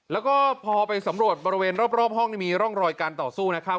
แล้วก็พอไปสำรวจบริเวณรอบห้องนี่มีร่องรอยการต่อสู้นะครับ